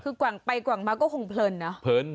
คือควังไปควังมาก้คงเปลินอ่ะ